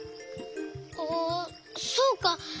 あそうか。